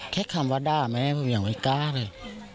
แค่คำว่าด้าไม่ให้พวกยังไว้กล้าเลย